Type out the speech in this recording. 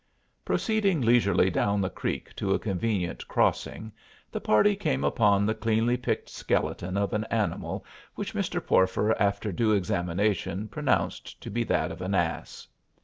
Proceeding leisurely down the creek to a convenient crossing, the party came upon the cleanly picked skeleton of an animal which Mr. Porfer after due examination pronounced to be that of an ass.